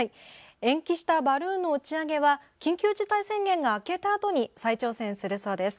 延期したバルーンの打ち上げは緊急事態宣言が明けたあとに再挑戦するそうです。